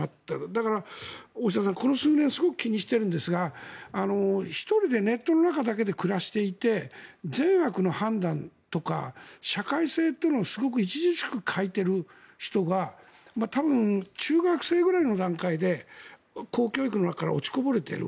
だから、大下さん、この数年すごく気にしてるんですが１人でネットの中だけで暮らしていて善悪の判断とか社会性というのをすごく著しく欠いている人が多分、中学生ぐらいの段階で公教育の中から落ちこぼれている。